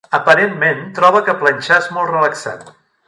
Aparentment, troba que planxar és molt relaxant.